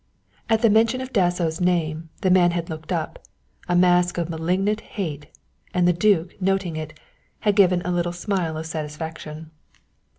At the mention of Dasso's name, the man had looked up, a mask of malignant hate, and the duke, noting it, had given a little smile of satisfaction.